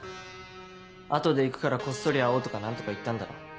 「後で行くからこっそり会おう」とか何とか言ったんだろう。